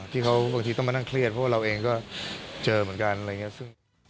ที่เขาบางทีต้องมานั่งเครียดเพราะว่าเราเองก็เจอเหมือนกัน